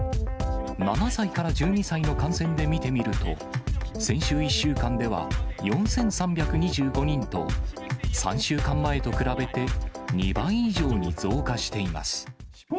７歳から１２歳の感染で見てみると、先週１週間では４３２５人と、３週間前と比べて、２倍以上に増加しています。